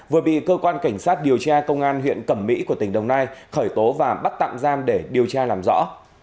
vừa bị cơ quan cảnh sát điều tra công an huyện cẩm mỹ của tỉnh đồng nai khởi tố và bắt tạm giam để điều tra làm rõ